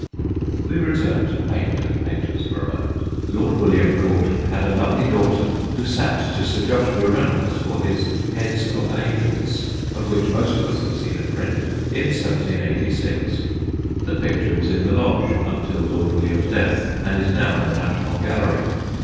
We return to paint and painters for a moment. Lord William Gordon had a lovely daughter who sat to Sir Joshua Reynolds for his * Heads of Angels/ of which most of us have seen a print, in 1786. The picture was in the Lodge until Lord William's death, and is now in the National Gallery.